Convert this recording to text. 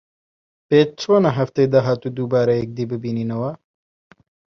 پێت چۆنە هەفتەی داهاتوو دووبارە یەکدی ببینینەوە؟